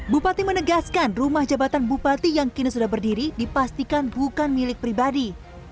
bupati menegaskan rumah jabatan bupati yang kini sudah berdiri dipastikan bukan milik pribadi